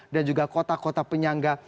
dan juga kota kota penyangga